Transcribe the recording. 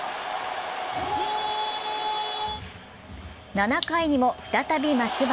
７回にも再び松原。